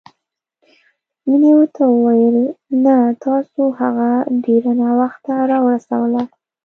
مينې ورته وويل نه، تاسو هغه ډېره ناوخته راورسوله.